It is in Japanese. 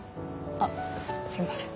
あっすいません。